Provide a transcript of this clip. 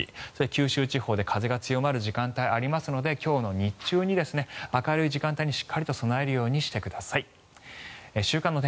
九州地方で風が強まる時間帯がありますので今日の日中に明るい時間帯にしっかりと備えるようにしてください。